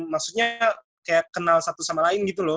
maksudnya kayak kenal satu sama lain gitu loh